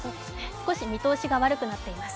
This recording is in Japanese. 少し見通しが悪くなっています。